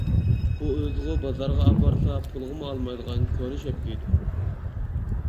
ئۇ ئۆزىغۇ بازارغا ئاپارسا پۇلغىمۇ ئالمايدىغان كونا شەپكە ئىدى.